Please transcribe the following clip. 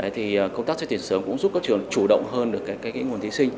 thì công tác xét tuyển sớm cũng giúp các trường chủ động hơn được nguồn thí sinh